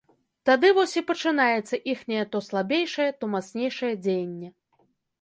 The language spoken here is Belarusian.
Тады вось і пачынаецца іхняе то слабейшае, то мацнейшае дзеянне.